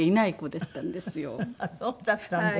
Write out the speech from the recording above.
そうだったんですか。